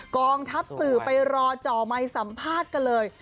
กองทัพสื่อไปรอจ่อไมค์สัมภาษณ์กันเลย